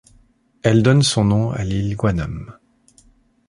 Elle donne son nom à l'île Guaname.